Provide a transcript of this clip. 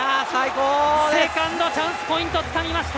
セカンドチャンスポイントをつかみました。